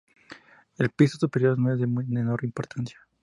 El piso superior es de mucha menor importancia.